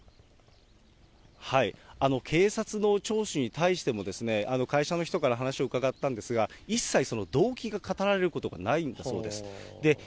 警察の聴取に対しても、会社の人から話を伺ったんですが、一切動機が語られることがないんだそうです。